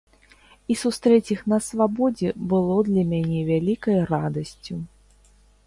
І сустрэць іх на свабодзе было для мяне вялікай радасцю.